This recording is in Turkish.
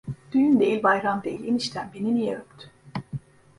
Düğün değil bayram değil eniştem beni niye öptü.